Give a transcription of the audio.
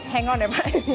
hang on deh pak